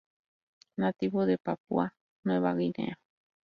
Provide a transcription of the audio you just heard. Nativo de Papúa Nueva Guinea.